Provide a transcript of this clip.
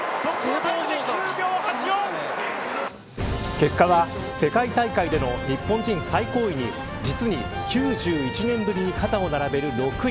結果は世界大会での日本人最高位に実に９１年ぶりに肩を並べる６位。